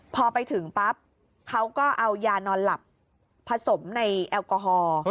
พอไปถึงปั๊บเขาก็เอายานอนหลับผสมในแอลกอฮอล์